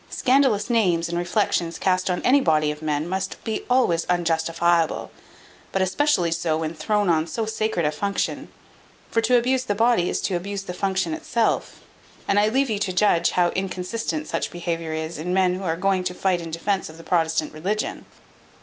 Scandalous names, and reflections cast on any body of men, must be always unjustifiable; but especially so, when thrown on so sacred a function; for to abuse the body is to abuse the function itself; and I leave to you to judge how inconsistent such behaviour is in men who are going to fight in defence of the Protestant religion."